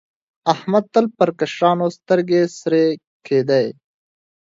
احمد تل پر کشرانو سترګې سرې کېدې.